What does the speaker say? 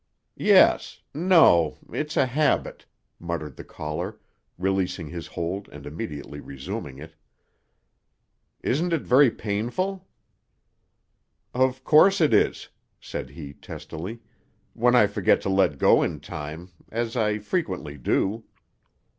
"Yes. No. It's a habit," muttered the caller, releasing his hold and immediately resuming it. "Isn't it very painful?" "Of course it is," said he testily; "when I forget to let go in time—as I frequently do."